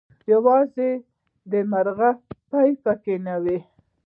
يوازې دمرغۍ پۍ پکې نه وې